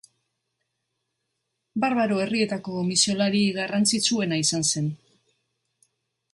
Barbaro herrietako misiolari garrantzitsuena izan zen.